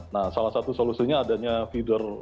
nah salah satu solusinya adanya feeder